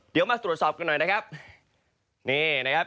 เดี๋ยวมาสรวจสอบกันหน่อยนะครับ